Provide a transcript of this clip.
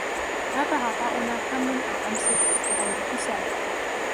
هَذَا عَطَاؤُنَا فَامْنُنْ أَوْ أَمْسِكْ بِغَيْرِ حِسَابٍ